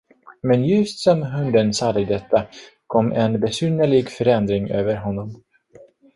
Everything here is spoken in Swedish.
Men just som hunden sade detta, kom en besynnerlig förändring över honom.